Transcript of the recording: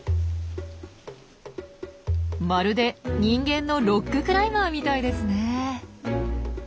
まるで人間のロッククライマーみたいですね。